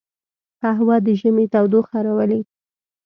قهوه د ژمي تودوخه راولي